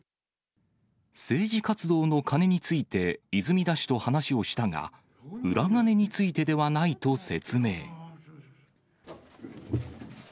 政治活動の金について、泉田氏と話をしたが、裏金についてではないと説明。